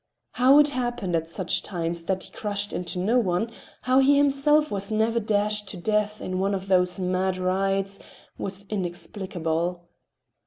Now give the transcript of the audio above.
How it happened at such times that he crushed no one, how he himself was never dashed to death in one of these mad rides, was inexplicable.